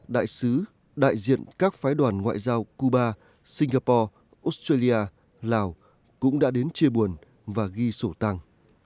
đại sứ đại diện các phái đoàn ngoại giao cuba singapore australia lào cũng đã đến chia buồn và ghi sổ tăng